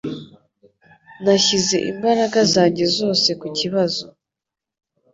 Nashyize imbaraga zanjye zose kukibazo